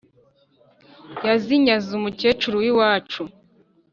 yazinyaze umukecuru w’iwacu,